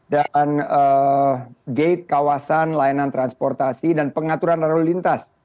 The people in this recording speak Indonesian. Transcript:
dan gate kawasan layanan transportasi dan pengaturan lalu lintas